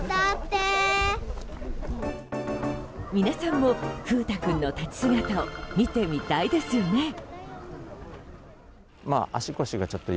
皆さんも風太くんの立ち姿を見てみたいですよね。